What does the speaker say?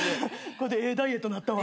これでええダイエットになったわ。